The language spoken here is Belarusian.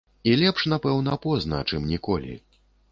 І лепш, напэўна, позна, чым ніколі.